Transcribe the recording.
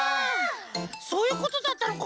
そういうことだったのか。